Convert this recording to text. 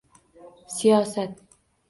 Siyosat